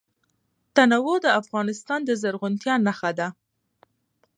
تنوع د افغانستان د زرغونتیا نښه ده.